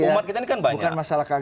umat kita ini kan banyak